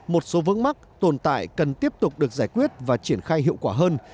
một số vướng mắc tồn tại cần tiếp tục được giải quyết và triển khai hiệu quả hơn